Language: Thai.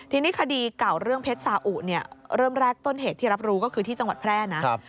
ทีนี้คดีเก่าเรื่องเพชรสาอุเนี่ยเริ่มแรกต้นเหตุที่รับรู้ก็คือที่จังหวัดแพร่นะ